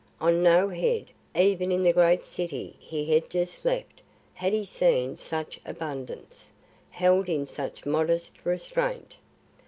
On no head, even in the great city he had just left, had he seen such abundance, held in such modest restraint.